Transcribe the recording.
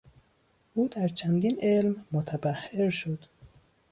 او در چندین علم متبحر شد.